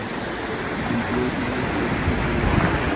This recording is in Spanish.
Y cumplió gloriosamente su promesa.